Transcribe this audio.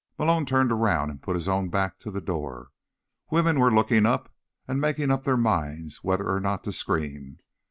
Malone turned around and put his own back to the door. Women were looking up and making up their minds whether or not to scream.